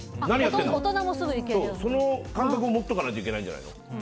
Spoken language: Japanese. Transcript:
その感覚を持っておかないといけないんじゃないの。